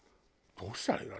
どうしたらいいの？